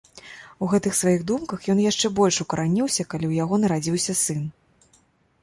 У гэтых сваіх думках ён яшчэ больш укараніўся, калі ў яго нарадзіўся сын.